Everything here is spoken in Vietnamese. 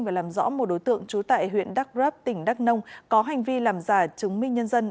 và làm rõ một đối tượng trú tại huyện đắk rấp tỉnh đắk nông có hành vi làm giả chứng minh nhân dân